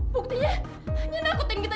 buktinya dia nakutin kita